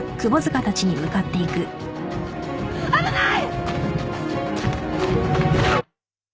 危ない！